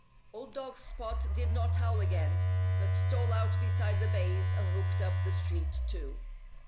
Old dog Spot did not howl again, but stole out beside the bays and looked up the street too.